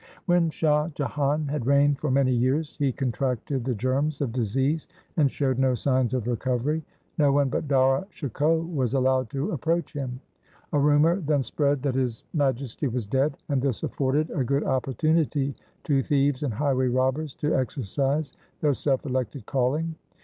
When Shah Jahan had reigned for many years, he contracted the germs of disease and showed no signs of recovery. No one but Dara Shikoh was allowed to approach him. A rumour then spread that His Majesty was dead, and this afforded a good opportunity to thieves and highway robbers to exercise their self^elected calling.